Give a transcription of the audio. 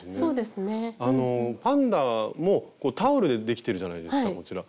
パンダもタオルでできてるじゃないですかこちら。